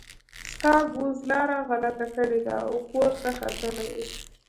ستا ګوز لاره غلطه کړې ده او پورته ختلی.